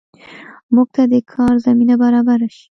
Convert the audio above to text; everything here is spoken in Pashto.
موږ ته د کار زمینه برابره شي